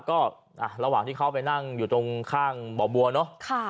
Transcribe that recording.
ก็ระหว่างที่เขาไปนั่งอยู่ตรงข้างบ่อบัวเนอะ